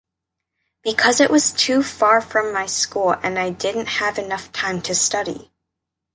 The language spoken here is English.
Because it was too far from my school and I didn’t have enough time to study.